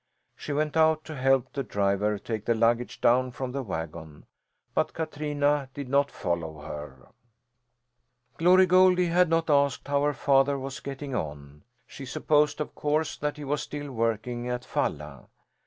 She went out to help the driver take the luggage down from the wagon, but Katrina did not follow her. Glory Goldie had not asked how her father was getting on. She supposed, of course, that he was still working at Falla.